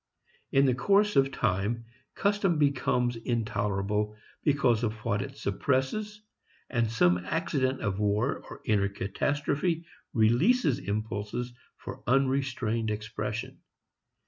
In the course of time custom becomes intolerable because of what it suppresses and some accident of war or inner catastrophe releases impulses for unrestrained expression.